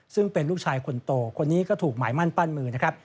ซึ่งเป็นลูกชายคนโตคนนี้ก็ถูกหมายมั่นปั้นมือนะครับ